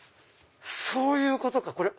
そういうことか！